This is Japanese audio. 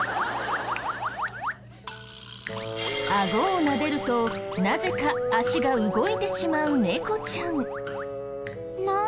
顎をなでるとなぜか脚が動いてしまう猫ちゃん。